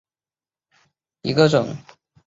丝叶紫堇为罂粟科紫堇属下的一个种。